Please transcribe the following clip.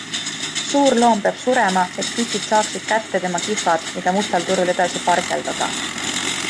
Suur loom peab surema, et kütid saaksid kätte tema kihvad, mida mustal turul edasi parseldada.